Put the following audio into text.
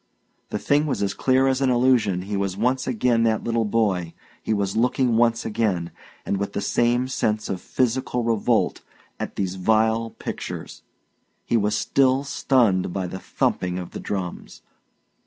The thing was as clear as an illusion He was once again that little boy; he was looking once again, and with the same sense of physical revolt, at these vile pictures; he was still stunned by the thumping of the drums.